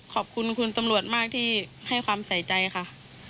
ขอบคุณคุณตำรวจมากที่ให้ความใส่ใจค่ะ